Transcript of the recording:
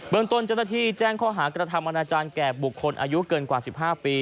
ตนเจ้าหน้าที่แจ้งข้อหากระทำอนาจารย์แก่บุคคลอายุเกินกว่า๑๕ปี